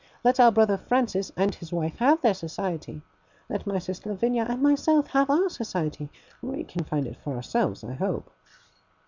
Let our brother Francis and his wife have their society. Let my sister Lavinia and myself have our society. We can find it for ourselves, I hope.